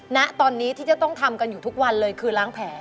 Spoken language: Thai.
ณตอนนี้ที่จะต้องทำกันอยู่ทุกวันเลยคือล้างแผล